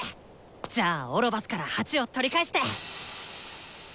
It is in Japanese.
じゃあオロバスから鉢を取り返して。